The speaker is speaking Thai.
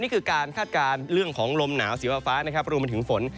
นี่คือการคาดการณ์เรื่องของลมหนาวสีฟ้านะครับรวมไปถึงฝน